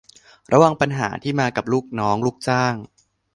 ระวังปัญหาที่มากับลูกน้องลูกจ้าง